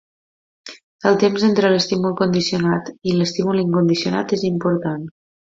El temps entre l'estímul condicionat i l'estímul incondicionat és important.